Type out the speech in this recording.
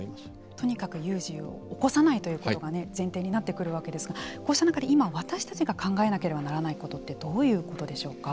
とにかく有事を起こさないということが前提になってくるわけですがこうした中で今、私たちが考えなければならないことはどういうことでしょうか。